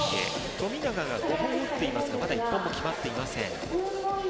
富永が５本打っていますがまだ１本も決まっていません。